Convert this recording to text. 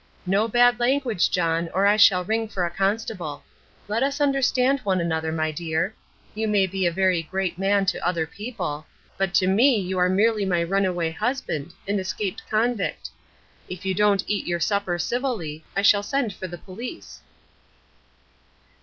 "No bad language, John, or I shall ring for a constable. Let us understand one another, my dear. You may be a very great man to other people, but to me you are merely my runaway husband an escaped convict. If you don't eat your supper civilly, I shall send for the police."